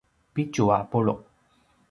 pitju a pulu’